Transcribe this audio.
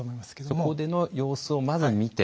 そこでの様子をまず見て。